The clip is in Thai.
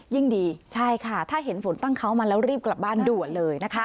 ยิ่งดีใช่ค่ะถ้าเห็นฝนตั้งเขามาแล้วรีบกลับบ้านด่วนเลยนะคะ